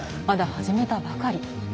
まだ始めたばかり。